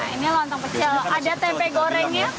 ini lontong pecel ada tempe gorengnya